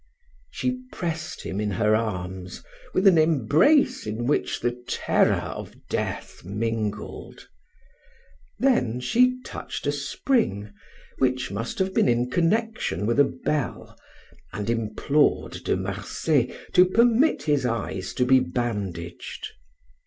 She pressed him in her arms with an embrace in which the terror of death mingled. Then she touched a spring, which must have been in connection with a bell, and implored De Marsay to permit his eyes to be bandaged.